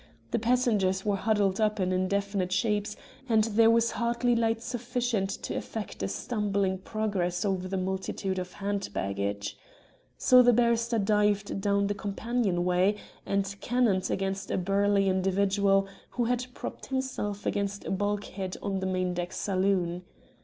The passengers were huddled up in indefinable shapes, and there was hardly light sufficient to effect a stumbling progress over the multitude of hand baggage. So the barrister dived down the companion way and cannoned against a burly individual who had propped himself against a bulkhead on the main deck saloon.